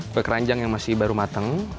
kue keranjang yang masih baru mateng